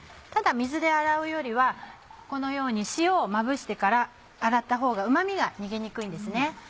ただ水で洗うよりはこのように塩をまぶしてから洗ったほうがうま味が逃げにくいんです。